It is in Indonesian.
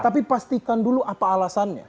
tapi pastikan dulu apa alasannya